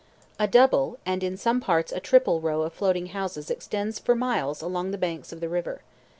A double, and in some parts a triple, row of floating houses extends for miles along the banks of the river.